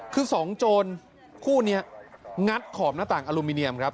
คือสองโจรคู่นี้งัดขอบหน้าต่างอลูมิเนียมครับ